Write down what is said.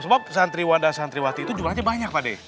sebab santri wanda santri wati itu jumlahnya banyak pak adek